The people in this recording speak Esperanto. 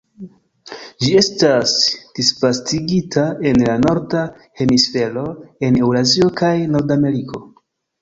Ĝi estas disvastigita en la Norda hemisfero en Eŭrazio kaj Nordameriko.